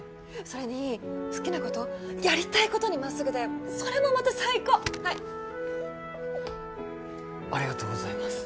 それに好きなことやりたいことにまっすぐでそれもまた最高っはいありがとうございます